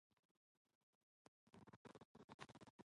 Their small size allows them to easily disperse by wind after hatching.